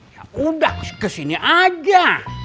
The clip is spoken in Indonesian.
yaudah kesini aja